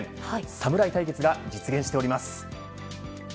侍対決が実現しております。